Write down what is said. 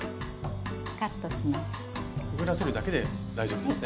くぐらせるだけで大丈夫ですね。